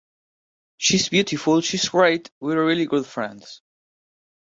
She's beautiful, she's great; we're really good friends.